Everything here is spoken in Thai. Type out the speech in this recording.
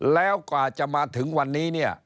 แล้วกว่าจะมาถึงวันนี้เนี่ย